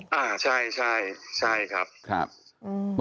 พี่หนุ่ม